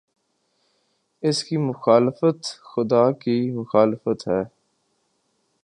اس کی مخالفت خدا کی مخالفت ہے۔